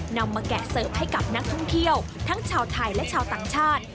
นำมาแกะเสิร์ฟให้กับนักท่องเที่ยวทั้งชาวไทยและชาวต่างชาติ